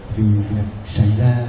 vì việc xảy ra